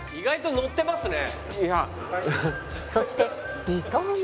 「そして２投目」